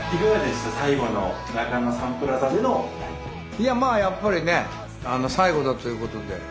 いやまあやっぱりね最後だということで。